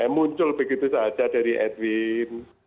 muncul begitu saja dari edwin